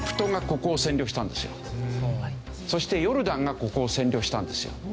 そしてヨルダンがここを占領したんですよ。